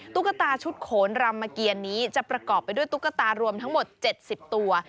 ตุ๊กตาชุดโขนรำมเกียรนี้จะประกอบไปด้วยตุ๊กตารวมทั้งหมด๗๐ตัว